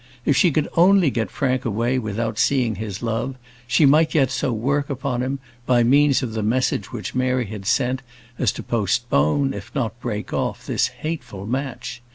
If she could only get Frank away without seeing his love, she might yet so work upon him, by means of the message which Mary had sent, as to postpone, if not break off, this hateful match.